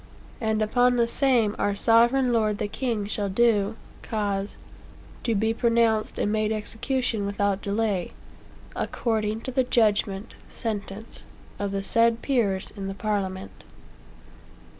And upon the same our said sovereign lord the king shall do (cause) to be pronounced and made execution without delay, according to the judgment (sentence) of the said peers in the Parliament."